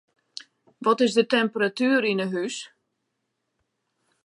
Wat is de temperatuer yn 'e hús?